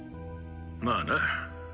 まあな。